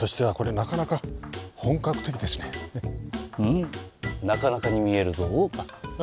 なかなかに見えるぞ。